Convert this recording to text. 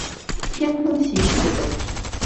天空骑士的本体。